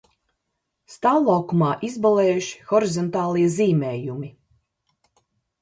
Stāvlaukumā izbalējuši horizontālie zīmējumi.